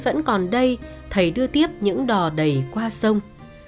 thời gian còn đây thầy đưa tiếp những đò đầy qua sông